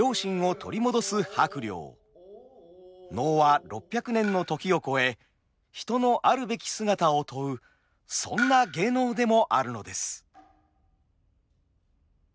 能は６００年の時を超え人のあるべき姿を問うそんな芸能でもあるのです。